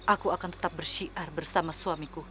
aku akan tetap bersyiar bersama suamiku